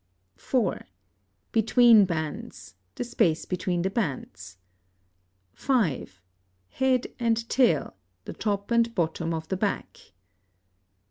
(4) Between bands, the space between the bands. (5) Head and tail, the top and bottom of the back.